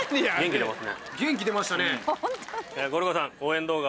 元気出ましたね。